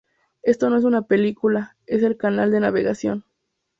Esto no es una película, es el canal de navegación".